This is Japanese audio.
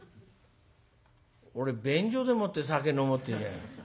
「俺便所でもって酒飲もうってんじゃない。